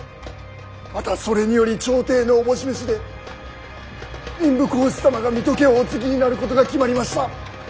またそれにより朝廷の思し召しで民部公子様が水戸家をお継ぎになることが決まりました。